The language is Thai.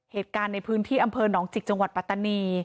เหตุการณ์ในพื้นที่อำเภอหนองจิกจังหวัดปัตตานี